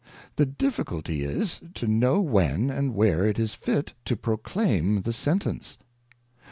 The Difficulty is, to know when and where it is fit to proclaim the Sentence.